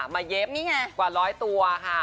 เย็บกว่าร้อยตัวค่ะ